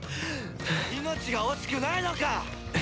命が惜しくないのか！